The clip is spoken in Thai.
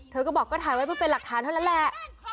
เธอก็บอกก็ถ่ายไว้เพื่อเป็นหลักฐานเท่านั้นแหละ